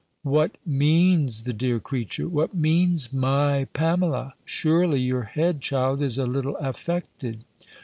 "What means the dear creature? What means my Pamela? Surely, your head, child, is a little affected!"